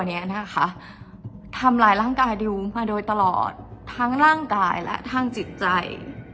เนี้ยนะคะทำร้ายร่างกายดิวมาโดยตลอดทั้งร่างกายและทางจิตใจ